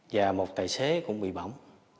và một tài xế cũng bị bỏng